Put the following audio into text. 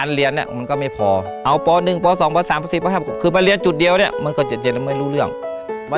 งานอาคารเรียนก็ไม่พอ